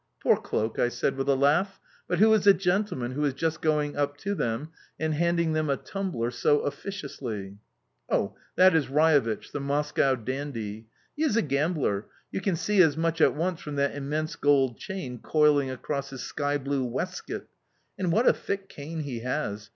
"Poor cloak!" I said, with a laugh. "But who is the gentleman who is just going up to them and handing them a tumbler so officiously?" "Oh, that is Raevich, the Moscow dandy. He is a gambler; you can see as much at once from that immense gold chain coiling across his skyblue waistcoat. And what a thick cane he has!